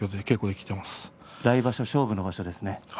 来場所は勝負の場所ですね。